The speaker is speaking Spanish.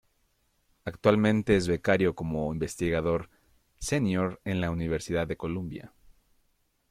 Actualmente es Becario como Investigador Senior en la Universidad de Columbia.